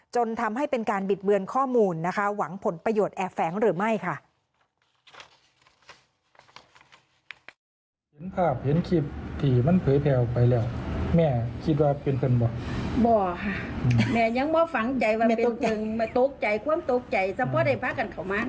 จนทำให้เป็นการบิดเบือนข้อมูลนะคะหวังผลประโยชน์แอบแฝงหรือไม่ค่ะ